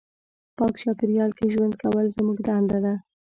پاک چاپېریال کې ژوند کول زموږ دنده ده.